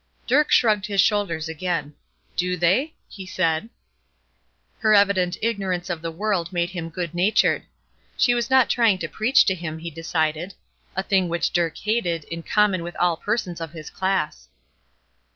Dirk shrugged his shoulders again. "Do they?" he said. Her evident ignorance of the world made him good natured. She was not trying to preach to him, he decided. A thing which Dirk hated, in common with all persons of his class.